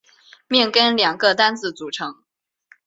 命根两个单字组成。